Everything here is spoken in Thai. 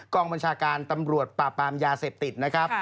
กองบัญชาการตำรวจปราบปรามยาเสพติดนะครับ